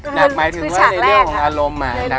หนักหมายถึงว่าในเรื่องของอารมณ์อ่ะ